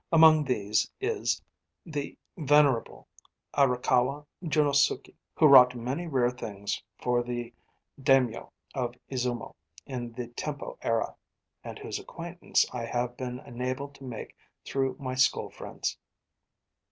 Among these is the venerable Arakawa Junosuke, who wrought many rare things for the Daimyo of Izumo in the Tempo era, and whose acquaintance I have been enabled to make through my school friends.